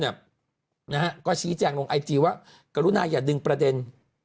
เห็นหรือว่าก็ชี้แจงลงไอจี้ว่ากลุ่นนายอย่าดึงประเด็น